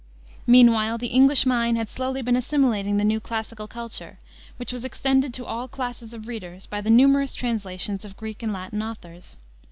Meanwhile the English mind had been slowly assimilating the new classical culture, which was extended to all classes of readers by the numerous translations of Greek and Latin authors.